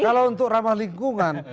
kalau untuk ramah lingkungan